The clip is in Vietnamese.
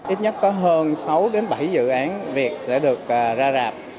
ít nhất có hơn sáu đến bảy dự án việt sẽ được ra rạp